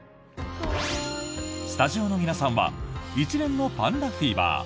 スタジオの皆さんは一連のパンダフィーバー